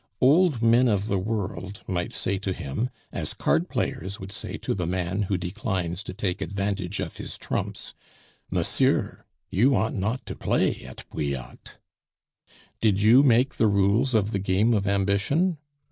Old men of the world might say to him, as card players would say to the man who declines to take advantage of his trumps, 'Monsieur, you ought not to play at bouillotte.' "Did you make the rules of the game of ambition?